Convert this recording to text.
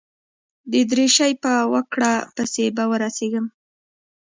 د درېشۍ په وکړه پسې به ورسېږم.